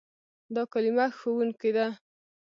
دا کلمه "ښوونکی" ده.